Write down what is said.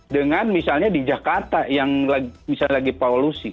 dengan misalnya di jakarta yang misalnya lagi polusi